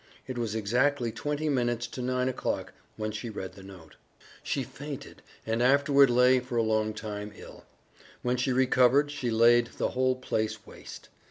It was exactly twenty minutes to nine o'clock when she read the note. She fainted and afterward lay for a long time ill. When she recovered she laid the whole place waste.